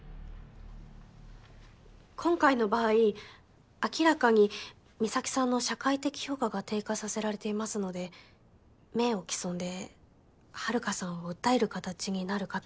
今回の場合明らかに美咲さんの社会的評価が低下させられていますので名誉棄損で遥さんを訴える形になるかと。